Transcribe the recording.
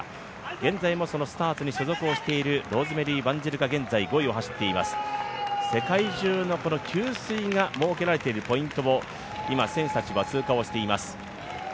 現在もそのスターツに所属している、ローズメリー・ワンジルが現在５位を走っています、給水をもうけられているポイントを今、選手たちは通過しています。